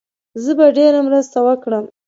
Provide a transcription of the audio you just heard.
زه به ډېره مرسته وکړم.